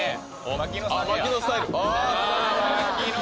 槙野スタイル槙野